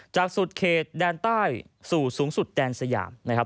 จากสุดเขตด้านใต้สู่สูงสุดด้านสยามนะครับ